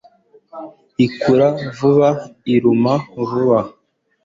ikura vuba, iruma vuba